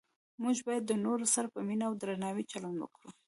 موږ باید د نورو سره په مینه او درناوي چلند وکړو